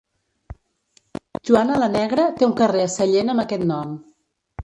Joana la Negra té un carrer a Sallent amb aquest nom.